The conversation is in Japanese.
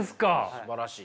すばらしい。